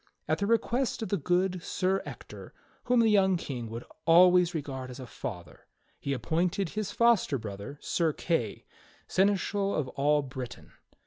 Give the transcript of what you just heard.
At the request of the good Sir Ector, whom the young King would always re gard as a father, he appointed his foster brother. Sir Kay, seneschal of all Britain.